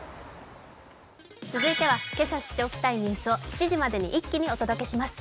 続いてはけさ知っておきたいニュースを７時までに一気にお届けします。